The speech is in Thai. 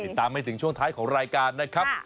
ติดตามให้ถึงช่วงท้ายของรายการนะครับ